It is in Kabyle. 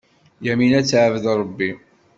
Yamina ad teɛbed Ṛebbi.